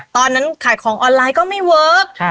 ตอนนั้นขายของออนไลน์ก็ไม่เวิร์ก